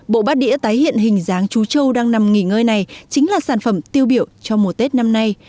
bộ bát đĩa tái hiện hình dáng chú châu đang nằm nghỉ ngơi này chính là sản phẩm tiêu biểu cho mùa tết năm nay